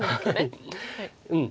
うん。